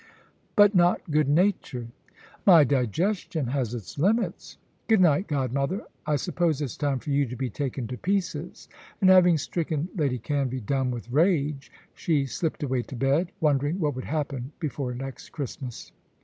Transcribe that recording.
"But not good natured." "My digestion has its limits. Good night, godmother; I suppose it's time for you to be taken to pieces," and having stricken Lady Canvey dumb with rage, she slipped away to bed, wondering what would happen before next Christmas.